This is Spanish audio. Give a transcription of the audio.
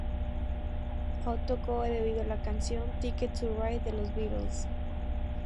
João tocó de oído la canción "Ticket to Ride", de los Beatles.